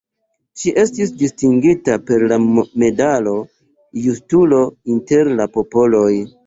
Ŝi estis distingita per la medalo Justulo inter la popoloj.